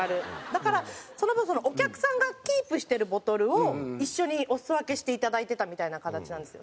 だからその分お客さんがキープしてるボトルを一緒にお裾分けしていただいてたみたいな形なんですよ。